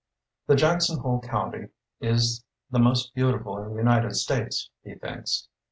The Jackson Hole country is the most beautiful in the United States, he thinks.